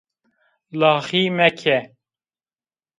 Laxî meke!